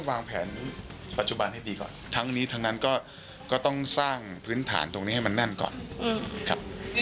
คุณพูดเรื่องแต่งงานกันเลยไหมคะ